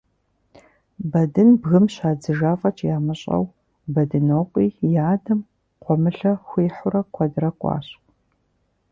Бэдын бгым щадзыжа фӀэкӀ ямыщӀэу, Бэдынокъуи и адэм гъуэмылэ хуихьурэ куэдрэ кӀуащ.